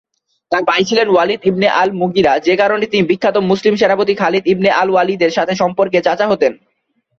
তার ভাই ছিলেন ওয়ালিদ ইবনে আল-মুগিরা, যে কারণে তিনি বিখ্যাত মুসলিম সেনাপতি খালিদ ইবনে আল-ওয়ালিদের সাথে সম্পর্কে চাচা হতেন।